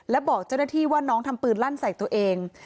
และบอกเจ้าหน้าที่ว่าน้องทำปืนลั่นใส่ตัวเอง